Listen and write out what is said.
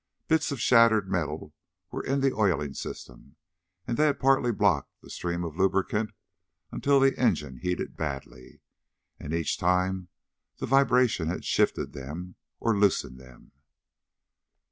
Bits of shattered metal were in the oiling system, and they had partly blocked the stream of lubricant until the engine heated badly. And each time the vibration had shifted them, or loosened them....